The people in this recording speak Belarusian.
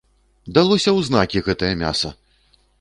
Далося ў знакі гэтае мяса!